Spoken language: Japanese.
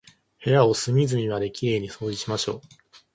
部屋を隅々まで綺麗に掃除しましょう。